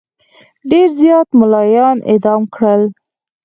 ډېر زیات مُلایان اعدام کړل.